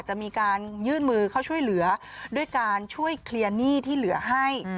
จะมีการยื่นมือเข้าช่วยเหลือด้วยการช่วยเคลียร์หนี้ที่เหลือให้